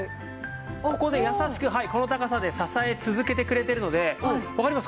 ここで優しくこの高さで支え続けてくれてるのでわかります？